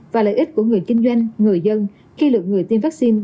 và lợi ích của người kinh doanh người dân khi lượng người tiêm vaccine